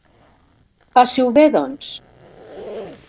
Passi-ho bé, doncs.